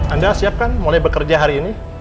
anda siap kan mulai bekerja hari ini